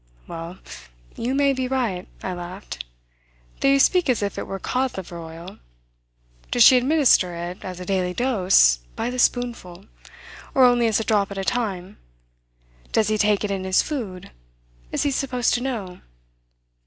"Well, you may be right," I laughed, "though you speak as if it were cod liver oil. Does she administer it, as a daily dose, by the spoonful? or only as a drop at a time? Does he take it in his food? Is he supposed to know?